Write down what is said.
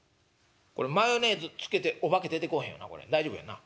これマヨネーズつけてお化け出てこおへんよな大丈夫やんな。